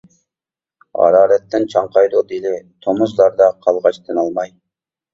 ھارارەتتىن چاڭقايدۇ دىلى، تومۇزلاردا قالغاچ تىنالماي.